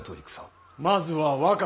まずは若狭。